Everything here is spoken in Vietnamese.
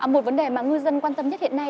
một vấn đề mà ngư dân quan tâm nhất hiện nay